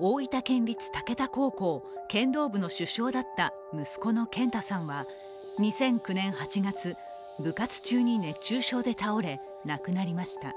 大分県立竹田高校剣道部の主将だった息子の剣太さんは２００９年８月、部活中に熱中症で倒れ、亡くなりました。